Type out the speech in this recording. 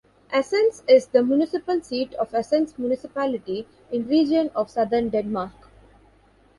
Assens is the municipal seat of Assens Municipality in Region of Southern Denmark.